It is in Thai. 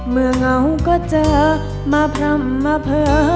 เหงาก็เจอมาพร่ำมาเผลอ